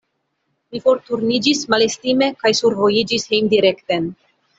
Mi forturniĝis malestime kaj survojiĝis hejmdirekten.